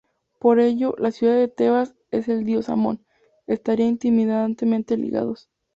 Por ello, la ciudad de Tebas y el dios Amón estarían íntimamente ligados.